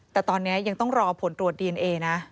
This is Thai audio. แต่ตอนนี้ยังต้องรอผลตรวจดีเอนเอนะ